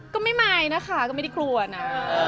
ก็ไม่มายนะคะก็ไม่ได้กลัวนะ